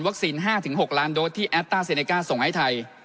วัคซีนห้าถึงหกล้านโดดที่แอตต้าเซเนก้าส่งให้ไทย